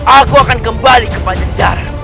aku akan kembali ke panjar